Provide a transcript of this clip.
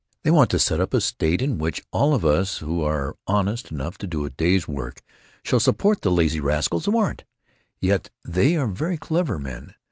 They want to set up a state in which all of us who are honest enough to do a day's work shall support the lazy rascals who aren't. Yet they are very clever men.